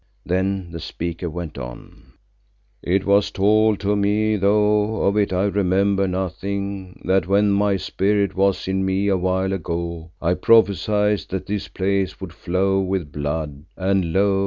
Then the speaker went on, "It was told to me, though of it I remember nothing, that when my Spirit was in me a while ago I prophesied that this place would flow with blood, and lo!